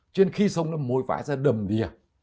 cho nên khi sông nó môi vãi ra đầm đìa